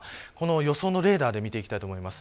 予想のレーダーで見ていきたいと思います。